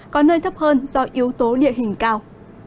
có nơi thấp hơn do yếu tố địa hình cao